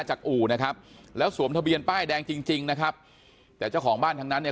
อู่นะครับแล้วสวมทะเบียนป้ายแดงจริงจริงนะครับแต่เจ้าของบ้านทั้งนั้นเนี่ย